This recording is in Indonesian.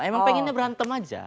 emang pengennya berantem aja